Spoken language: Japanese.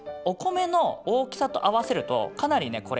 お米の大きさと合わせるとかなりね